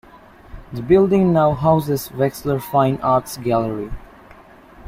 The building now houses Wexler Fine Arts Gallery.